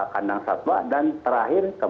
kandang satwa dan terakhir